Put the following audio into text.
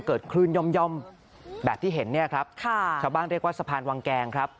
เกิดคลื่นย่อมแบบที่เห็นชาวบ้านเรียกว่าสะพานวังแกง